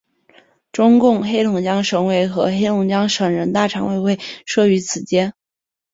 中共黑龙江省委和黑龙江省人大常委会设于此街。